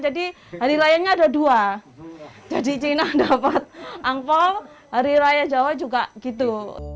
jadi hari raya nya ada dua jadi cina dapat angpoh hari raya jawa juga gitu